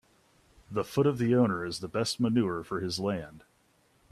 The foot of the owner is the best manure for his land